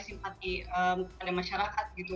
untuk menerai simpati pada masyarakat gitu